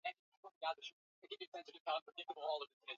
wa kale wa kitamaduni Kwa hakika peninsula